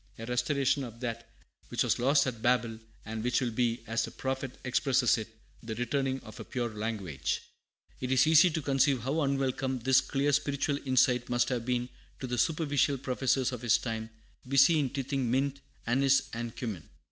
a restoration of that which was lost at Babel, and which will be, as the prophet expresses it, 'the returning of a pure language!'" It is easy to conceive how unwelcome this clear spiritual insight must have been to the superficial professors of his time busy in tithing mint, anise, and cummin.